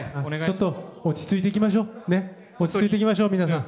ちょっと落ち着いていきましょう皆さん。